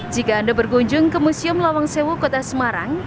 jika anda berkunjung ke museum lawang sewu kota semarang